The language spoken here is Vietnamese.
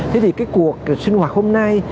thế thì cái cuộc sinh hoạt hôm nay